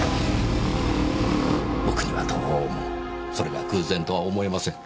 僕にはどうもそれが偶然とは思えません。